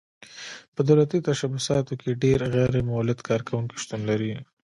په دولتي تشبثاتو کې ډېر غیر مولد کارکوونکي شتون لري.